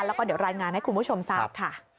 แล้วก็เดี๋ยวรายงานให้คุณผู้ชมทราบค่ะ